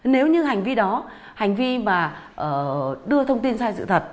nếu như hành vi đó hành vi mà đưa thông tin sai sự thật